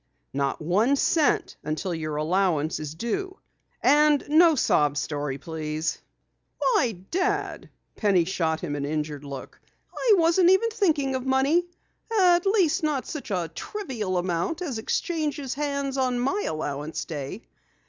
Not one cent until your allowance is due. And no sob story please." "Why, Dad." Penny shot him an injured look. "I wasn't even thinking of money at least not such a trivial amount as exchanges hands on my allowance day.